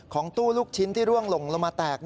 ตู้ลูกชิ้นที่ร่วงหลงลงมาแตก